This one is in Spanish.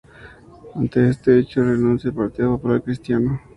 Ante este hecho, renuncia al Partido Popular Cristiano.